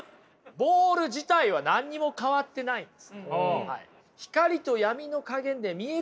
ボール自体は何にも変わってないんです。